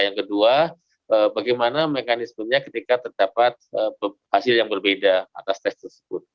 yang kedua bagaimana mekanismenya ketika terdapat hasil yang berbeda atas tes tersebut